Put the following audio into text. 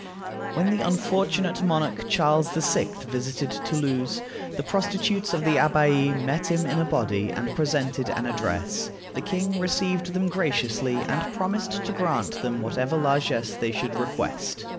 When the unfortunate monarch Charles VI. visited Toulouse, the prostitutes of the Abbaye met him in a body, and presented an address. The king received them graciously, and promised to grant them whatever largess they should request.